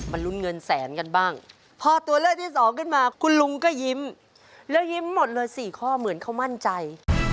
ลุ้นเงินแสนกันบ้างพอตัวเลือกที่สองขึ้นมาคุณลุงก็ยิ้มแล้วยิ้มหมดเลย๔ข้อเหมือนเขามั่นใจ